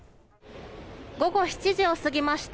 午後７時を過ぎました。